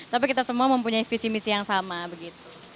tapi kita semua mempunyai visi misi yang sama begitu